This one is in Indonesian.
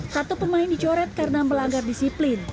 satu pemain dicoret karena pelanggar disipat